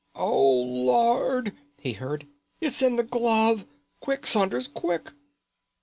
"Oh, Lord," he heard, "it's in the glove! Quick, Saunders, quick!"